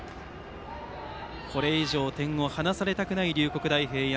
これ以上、点を離されたくない龍谷大平安。